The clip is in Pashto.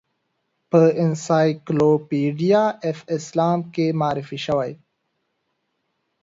په انسایکلوپیډیا آف اسلام کې معرفي شوې.